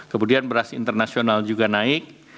kemudian beras internasional juga naik